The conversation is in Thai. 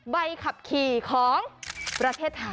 ใบขับขี่ของประเทศไทย